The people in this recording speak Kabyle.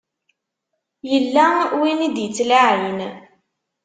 Yella win i d-ittlaɛin.